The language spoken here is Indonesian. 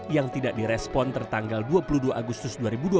yang tidak direspon tertanggal dua puluh dua agustus dua ribu dua puluh